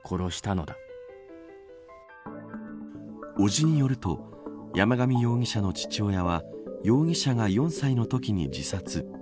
伯父によると山上容疑者の父親は容疑者が４歳のときに自殺。